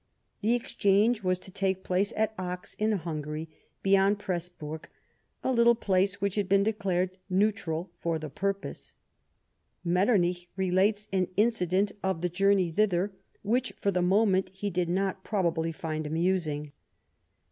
The exchange was to take place at Acs, in Hungary, beyond Pressburg, a little place which had been declared neutral for the purpose. Metternich relates an incident of the journey thither, which, for the moment, he did not pro bably find amusing.